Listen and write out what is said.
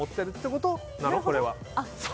これは。